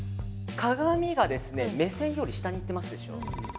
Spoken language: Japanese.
鏡が目線より下にいってますでしょ。